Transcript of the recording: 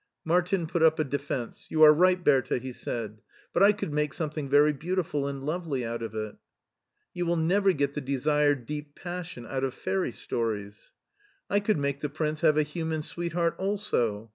Martin put up a defense. " You are right, Bertha," he said, "but I could make something very beautiful and lovely out of it." "You will never get the desired deep passion out of fairy stories." " I could make the prince have a human sweetheart also."